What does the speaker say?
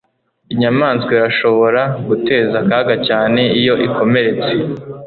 Inyamaswa irashobora guteza akaga cyane iyo ikomeretse